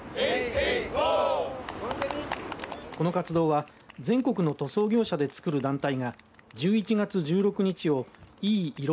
この活動は全国の塗装業者でつくる団体が１１月１６日をいいいろ